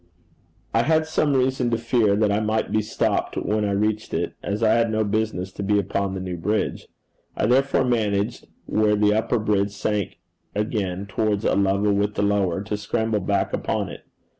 I had some reason to fear that I might be stopped when I reached it, as I had no business to be upon the new bridge. I therefore managed, where the upper bridge sank again towards a level with the lower, to scramble back upon it.